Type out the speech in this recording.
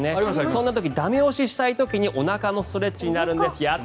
そんな時、駄目押ししたい時おなかのストレッチになるんです。